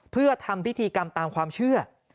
เพื่อทำพิธีกรรมตามความเชื่อ